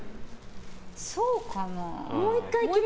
そうかな？